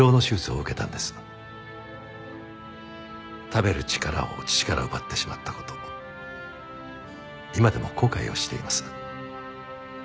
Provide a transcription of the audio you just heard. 食べる力を父から奪ってしまった事今でも後悔をしています。